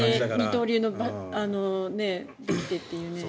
二刀流ができてっていう。